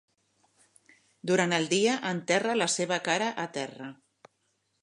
Durant el dia enterra la seva cara a terra.